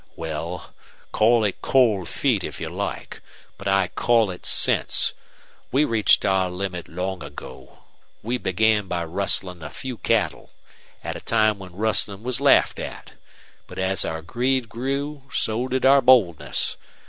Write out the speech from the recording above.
"Well, call it cold feet if you like. But I call it sense. We reached our limit long ago. We began by rustling a few cattle at a time when rustling was laughed at. But as our greed grew so did our boldness.